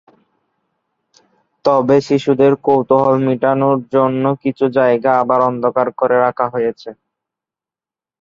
তবে শিশুদের কৌতূহল মেটানোর জন্য কিছু জায়গা আবার অন্ধকার করে রাখা হয়েছে।